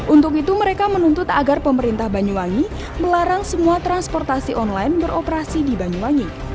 untuk itu mereka menuntut agar pemerintah banyuwangi melarang semua transportasi online beroperasi di banyuwangi